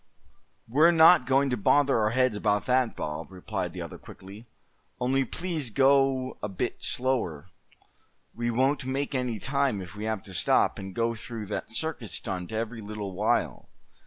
"We're not going to bother our heads about that, Bob," replied the other, quickly; "only please go a bit slower. We won't make any time, if we have to stop, and go through that circus stunt every little while.